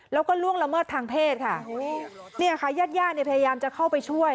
แล้วก็ล่วงละเมิดทางเพศค่ะเนี่ยค่ะญาติญาติเนี่ยพยายามจะเข้าไปช่วย